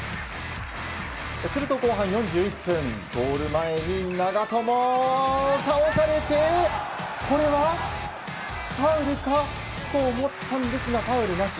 すると後半４１分ゴール前に長友倒されて、これはファウルかと思ったんですがファウルなし。